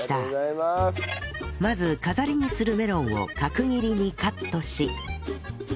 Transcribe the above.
まず飾りにするメロンを角切りにカットし